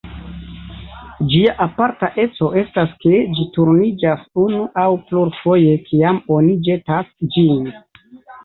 Ĝia aparta eco estas ke ĝi turniĝas unu aŭ plurfoje kiam oni ĵetas ĝin.